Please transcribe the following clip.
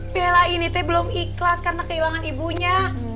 bella ini teh belum ikhlas karena kehilangan ibunya